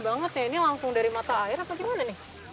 ini jernih banget ya ini langsung dari mata air apa gimana nih